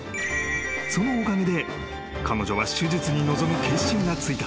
［そのおかげで彼女は手術に臨む決心がついた］